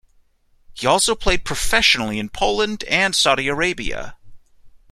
He also played professionally in Poland and Saudi Arabia.